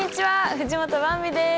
藤本ばんびです。